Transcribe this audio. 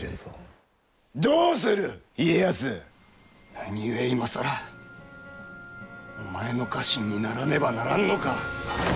何故今更お前の家臣にならねばならんのか！